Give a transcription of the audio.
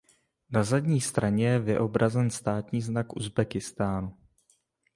Na zadní straně je vyobrazen státní znak Uzbekistánu.